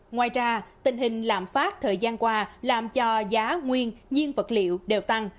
ngoài ra tình hình lạm phát thời gian qua làm cho giá nguyên nhiên vật liệu đều tăng